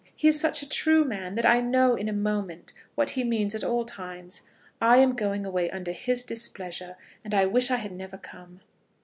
He is such a true man that I know in a moment what he means at all times. I am going away under his displeasure, and I wish I had never come."